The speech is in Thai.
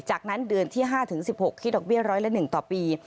จากนั้นเดือนที่๕๑๖คิดดอกเบี้ร้อยละ๑ต่อปี